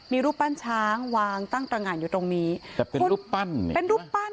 มีรูปปั้นช้างวางตั้งตรงานอยู่ตรงนี้แต่เป็นรูปปั้นเป็นรูปปั้น